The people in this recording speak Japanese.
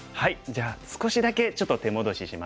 じゃあ少しだけちょっと手戻ししますね。